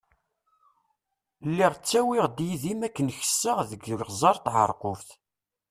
Lliɣ ttawiɣ yid-i n makken kesseɣ deg Iɣzeṛ Tɛerqubt.